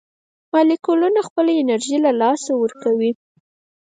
مالیکولونه خپله انرژي له لاسه ورکوي.